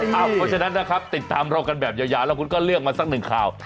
เพราะฉะนั้นนะครับติดตามเรากันแบบยาวแล้วคุณก็เลือกมาสักหนึ่งข่าว